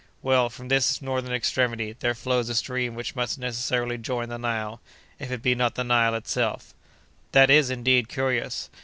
"Well from this northern extremity there flows a stream which must necessarily join the Nile, if it be not the Nile itself." "That is, indeed, curious."